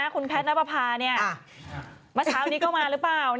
ท่านคุณแพทย์นักประพาเนี่ยมาเจ้านี้เข้ามาเปล่า